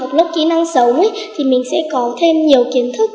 một lớp kỹ năng sống thì mình sẽ có thêm nhiều kiến thức